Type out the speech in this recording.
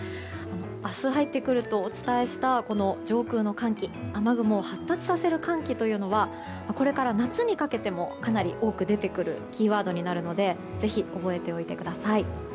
明日入ってくるとお伝えした上空の寒気雨雲を発達させる寒気はこれから夏にかけてもかなり多く出てくるキーワードになるのでぜひ覚えておいてください。